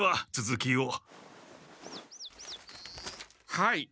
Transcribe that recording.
はい。